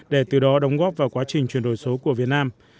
để từ đó đóng góp vào quá trình chuyển đổi số của việt nam